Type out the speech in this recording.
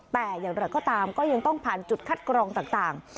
แต่อย่างไรก็ตามก็ยังต้องผ่านจุดคัดกรองต่าง